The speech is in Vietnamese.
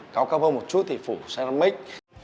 cao cao hơn một chút thì phủ xe đâm mít